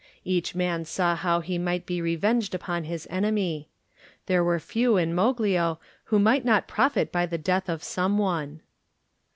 Each man saw how he might be revenged upon his enemy. There were few in Moglio who might not profit by the death of some one.